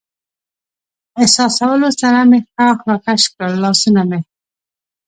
احساسولو سره مې ښاخ را کش کړل، لاسونه مې.